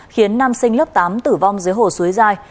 khiến nam sinh lớp tám tử vong dưới hồ suối giai